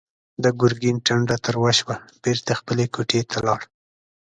د ګرګين ټنډه تروه شوه، بېرته خپلې کوټې ته لاړ.